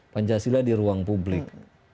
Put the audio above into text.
pancasila di ruang publik